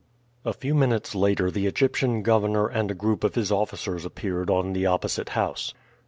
A few minutes later the Egyptian governor and a group of his officers appeared on the opposite house.